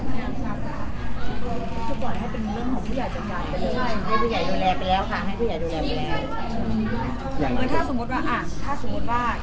อ่าฝากเรามีข้ออะไรบ้างที่รู้สึกว่าเราอยู่ติดใจอยู่หรือเปล่าค่ะ